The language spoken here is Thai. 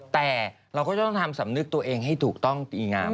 แต่เราก็จะต้องทำสำนึกตัวเองให้ถูกต้องปีงาม